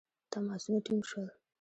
تماسونه ټینګ شول.